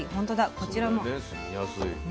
こちらもね